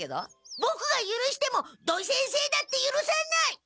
ボクがゆるしても土井先生だってゆるさない！